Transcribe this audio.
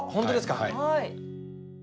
はい。